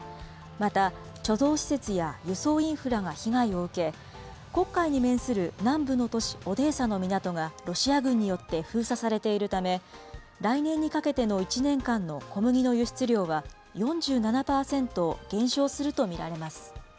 また貯蔵施設や輸送インフラが被害を受け、黒海に面する南部の都市オデーサの港が、ロシア軍によって封鎖されているため、来年にかけての１年間の小麦の輸出量は、４７％減少すると見られます。